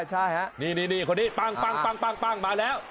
ใช่ฮะนี่คนนี้ปั้งมาแล้ว